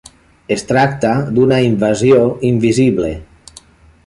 Es tracta d'una invasió invisible.